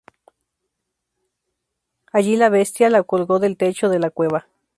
Allí, la bestia lo colgó del techo de la cueva.